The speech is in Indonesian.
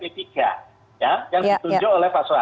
yang ditunjuk oleh pak soehar